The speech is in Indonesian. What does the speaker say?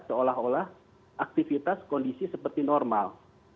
seolah olah aktivitas kondisi seperti normal